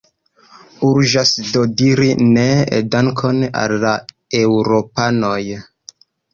Urĝas do diri ne, dankon al la eŭropanoj.